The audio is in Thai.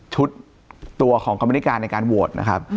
ตัวของกรรมนิการในการโหวตนะครับ